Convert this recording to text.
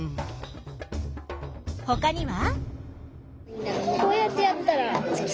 ほかには？